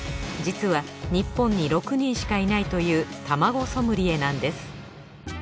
実は日本に６人しかいないという卵ソムリエなんです。